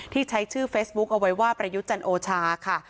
ที่ใช้ชื่อเฟซบุ๊คเอาไว้ว่าประยุทธ์จันโอชาค่ะ